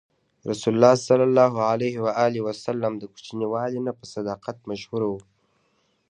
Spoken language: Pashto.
رسول الله ﷺ د کوچنیوالي نه په صداقت مشهور و.